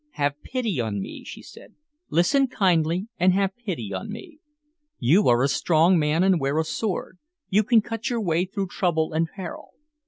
"Have pity on me," she said. "Listen kindly, and have pity on me. You are a strong man and wear a sword. You can cut your way through trouble and peril.